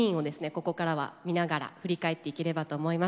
ここからは見ながら振り返っていければと思います。